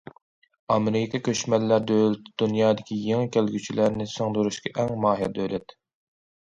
ئامېرىكا كۆچمەنلەر دۆلىتى، دۇنيادىكى يېڭى كەلگۈچىلەرنى سىڭدۈرۈشكە ئەڭ ماھىر دۆلەت.